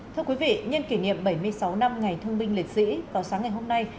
thưa quý vị nhân kỷ niệm bảy mươi sáu năm ngày thương binh liệt sĩ vào sáng ngày hôm nay